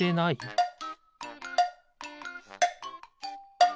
ピッ！